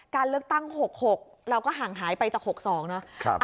การเลือกตั้ง๖๖เราก็ห่างหายไปจาก๖๒เนาะ